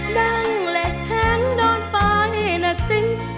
ดั้งเหล็กแทงโดนไปนะสิ